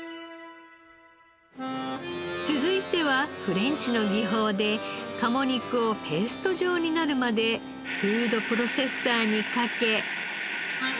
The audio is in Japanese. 続いてはフレンチの技法で鴨肉をペースト状になるまでフードプロセッサーにかけ。